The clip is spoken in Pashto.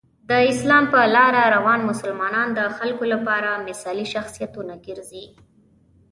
د اسلام په لاره روان مسلمانان د خلکو لپاره مثالي شخصیتونه ګرځي.